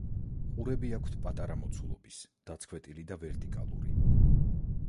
ყურები აქვთ პატარა მოცულობის, დაცქვეტილი და ვერტიკალური.